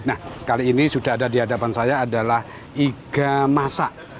nah kali ini sudah ada di hadapan saya adalah iga masak